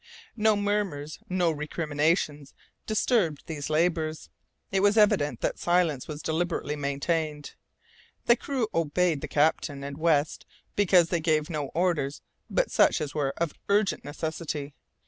No murmurs, no recrimination disturbed these labours. It was evident that silence was deliberately maintained. The crew obeyed the captain and West because they gave no orders but such as were of urgent necessity.